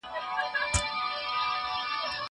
زه به اوږده موده کتابونه ولولم!!